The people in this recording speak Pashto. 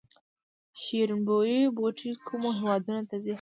شیرین بویې بوټی کومو هیوادونو ته ځي؟